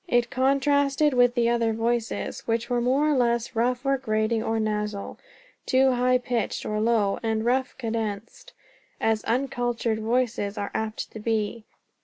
It contrasted with the other voices, which were more or less rough or grating or nasal, too high pitched or low, and rough cadenced, as uncultured voices are apt to be.